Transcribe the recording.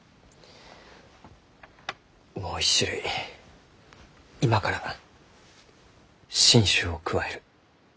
もう一種類今から新種を加える。